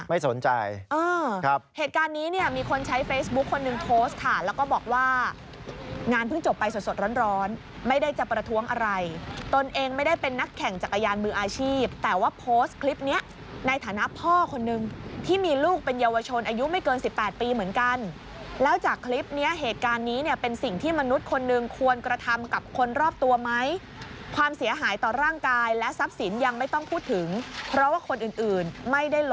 ไม่สนใจเออครับเหตุการณ์นี้เนี้ยมีคนใช้เฟซบุ๊กคนหนึ่งโพสต์ถ่านแล้วก็บอกว่างานเพิ่งจบไปสดสดร้อนร้อนไม่ได้จะประท้วงอะไรตนเองไม่ได้เป็นนักแข่งจักรยานมืออาชีพแต่ว่าโพสต์คลิปเนี้ยในฐานะพ่อคนหนึ่งที่มีลูกเป็นเยาวชนอายุไม่เกินสิบแปดปีเหมือนกันแล้วจากคลิปเนี้ยเหตุการณ์นี้เนี้ยเป็นสิ